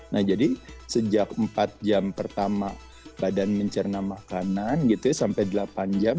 nah jadi sejak empat jam pertama badan mencerna makanan gitu ya sampai delapan jam